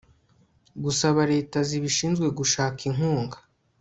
gusaba leta zibishinzwe gushaka inkunga